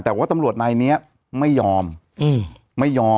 แต่ว่าตำรวจนายนี้ไม่ยอมไม่ยอม